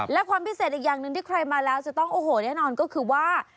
และความพิเศษอีกอย่างหนึ่งที่ใครมาแล้วจะต้องโอ้โหแน่นอนก็คือว่า